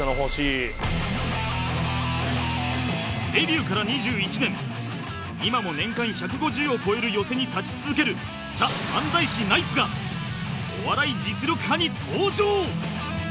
デビューから２１年今も年間１５０を超える寄席に立ち続ける ＴＨＥ 漫才師ナイツが『お笑い実力刃』に登場！